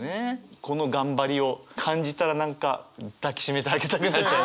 この頑張りを感じたら何か抱き締めてあげたくなっちゃいますね。